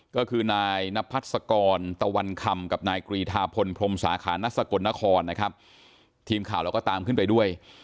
ก็คือนายนพัศกรตะวันคำกับนายกรีธาพลพรมสาขานักสกลนครนะครับทีมข่าวเราก็ตามขึ้นไปด้วย